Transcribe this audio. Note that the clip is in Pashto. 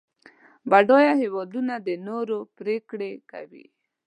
بډایه هېوادونه د نورو پرېکړې کوي.